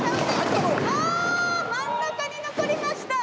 真ん中に残りました。